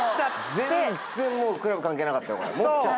全然クラブ関係なかったよ。